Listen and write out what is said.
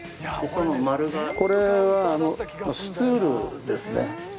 これはスツールですね。